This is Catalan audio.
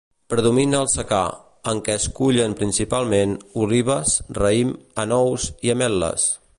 Predomina el secà, en el que es cullen principalment, olives, raïm, anous i ametles.